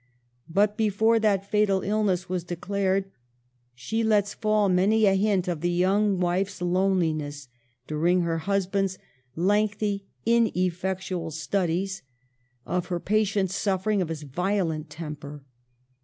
But before that fatal illness was declared, she lets fall many a hint of the young wife's loneliness during her husband's lengthy, ineffectual studies ; of her patient suffering of his violent temper.